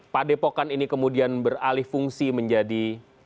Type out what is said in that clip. pak depokan ini kemudian beralih fungsi menjadi